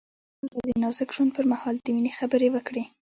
هغه د نازک ژوند پر مهال د مینې خبرې وکړې.